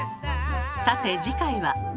さて次回は。